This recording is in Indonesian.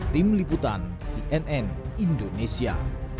tim liputan cnn indonesia